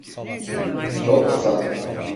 Çok kısa.